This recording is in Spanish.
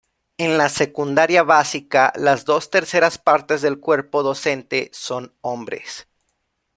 En la secundaria básica, las dos terceras partes del cuerpo docente son hombres.